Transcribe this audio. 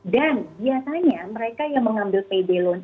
dan biasanya mereka yang mengambil payday loan